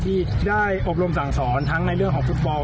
ที่ได้อบรมสั่งสอนทั้งในเรื่องของฟุตบอล